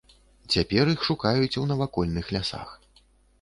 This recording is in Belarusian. Цяпер іх шукаюць у навакольных лясах.